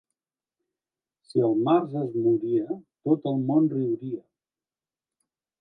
Si el març es moria, tot el món riuria.